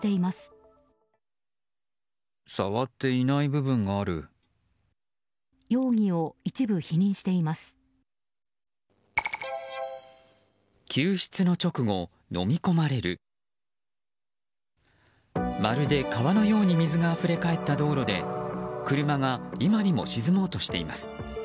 まるで川のように水があふれかえった道路で車が今にも沈もうとしています。